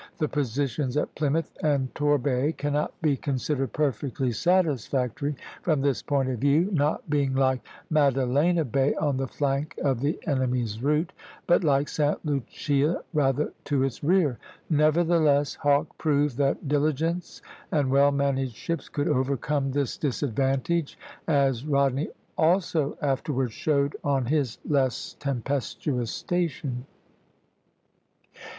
The positions at Plymouth and Torbay cannot be considered perfectly satisfactory from this point of view; not being, like Maddalena Bay, on the flank of the enemy's route, but like Sta. Lucia, rather to its rear. Nevertheless, Hawke proved that diligence and well managed ships could overcome this disadvantage, as Rodney also afterward showed on his less tempestuous station.